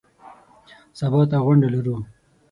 سبا ته غونډه لرو .